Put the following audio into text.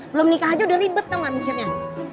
belum nikah aja udah libet tau gak mikirnya